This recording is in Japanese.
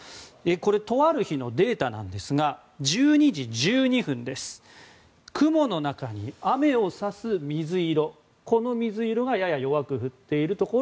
とある日のデータですが１２時１２分、雲の中に雨を指す水色、これがやや弱く降っているところ。